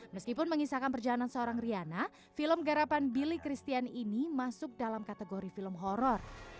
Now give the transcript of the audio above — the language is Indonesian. meskipun mengisahkan perjalanan seorang riana film garapan billy christian ini masuk dalam kategori film horror